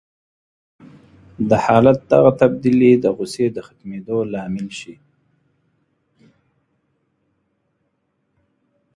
د حالت دغه تبديلي د غوسې د ختمېدو لامل شي.